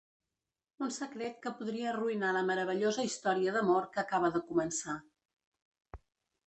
Un secret que podria arruïnar la meravellosa història d'amor que acaba de començar.